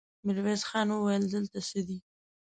ميرويس خان وويل: دلته څه دي؟